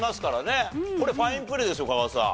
これファインプレーですよ加賀さん。